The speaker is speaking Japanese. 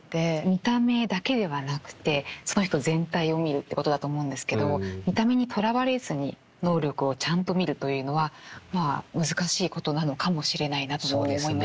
見た目だけではなくてその人全体を見るってことだと思うんですけど見た目にとらわれずに能力をちゃんと見るというのはまあ難しいことなのかもしれないなともそう思いました。